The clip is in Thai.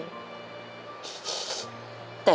แต่เขาไม่รู้นะครับ